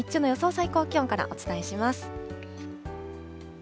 最高気温からお伝えします。